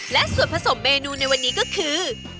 และส่วนผสมเมนูในวันนี้ก็คือ